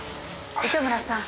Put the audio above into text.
糸村さん。